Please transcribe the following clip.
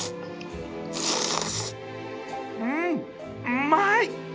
うーんうまい！